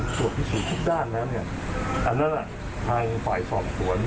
ตรวจพิสูจน์ทุกด้านนะเนี่ยอันนั้นอ่ะทางฝ่ายสอบสวน